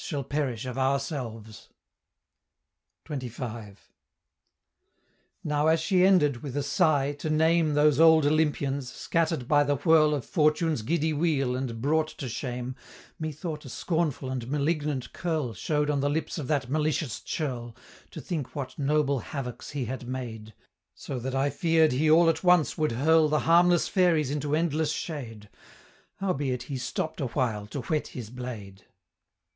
shall perish of ourselves!" XXV. Now as she ended, with a sigh, to name Those old Olympians, scatter'd by the whirl Of Fortune's giddy wheel and brought to shame, Methought a scornful and malignant curl Show'd on the lips of that malicious churl, To think what noble havocs he had made; So that I fear'd he all at once would hurl The harmless fairies into endless shade, Howbeit he stopp'd awhile to whet his blade.